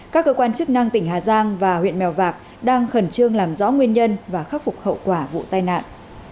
các cơ quan chức năng tỉnh hà giang và huyện mèo vạc đang khẩn trương làm rõ nguyên nhân và khắc phục hậu quả vụ tai nạn